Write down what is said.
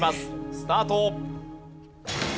スタート。